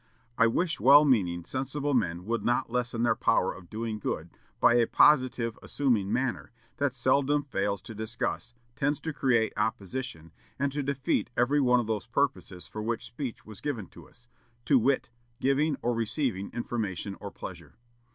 I wish well meaning, sensible men would not lessen their power of doing good by a positive, assuming manner, that seldom fails to disgust, tends to create opposition, and to defeat every one of those purposes for which speech was given to us, to wit, giving or receiving information or pleasure....